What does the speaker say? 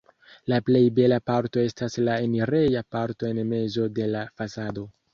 La plej bela parto estas la enireja parto en mezo de la fasado.